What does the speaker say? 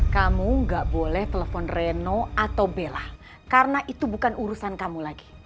kamu gak boleh telepon reno atau bella karena itu bukan urusan kamu lagi